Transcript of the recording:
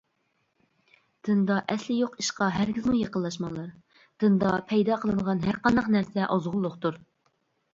دىندا ئەسلى يوق ئىشقا ھەرگىزمۇ يېقىنلاشماڭلار، دىندا پەيدا قىلىنغان ھەرقانداق نەرسە ئازغۇنلۇقتۇر.